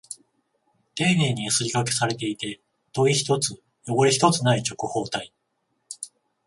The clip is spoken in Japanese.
丁寧にヤスリ掛けされていて、トゲ一つ、汚れ一つない直方体。